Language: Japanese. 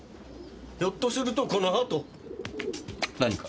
ひょっとするとこの鳩。何か？